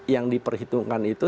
yang diperhitungkan itu